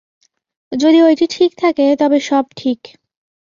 যদি ঐটি ঠিক থাকে, তবে সব ঠিক।